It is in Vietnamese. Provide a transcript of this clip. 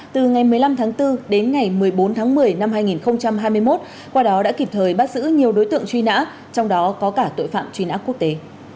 từ ngày một mươi năm tháng bốn đến ngày một mươi bốn tháng một mươi năm hai nghìn hai mươi một qua đó đã kịp thời bắt giữ nhiều đối tượng truy nã trong đó có cả tội phạm truy nã quốc tế